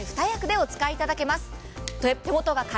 １台２役でお使いいただけます。